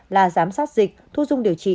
là giám sát dịch thu dung điều trị